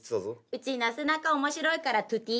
うちなすなか面白いからとぅてぃ。